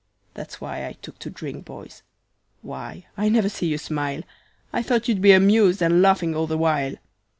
"That's why I took to drink, boys. Why, I never see you smile, I thought you'd be amused, and laughing all the while.